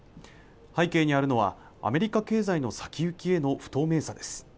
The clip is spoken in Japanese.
背景にあるのはアメリカ経済の先行きへの不透明さです